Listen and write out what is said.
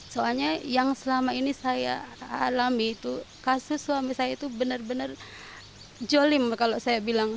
soalnya yang selama ini saya alami itu kasus suami saya itu benar benar jolim kalau saya bilang